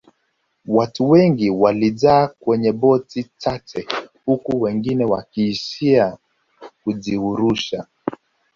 watu wengi walijaa kwenye boti chache huku wengine wakiishia kujirusha